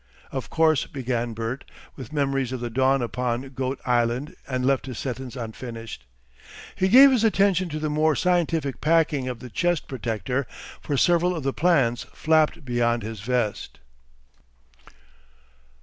"Of course," began Bert, with memories of the dawn upon Goat Island, and left his sentence unfinished. He gave his attention to the more scientific packing of the chest protector, for several of the plans flapped beyond his vest.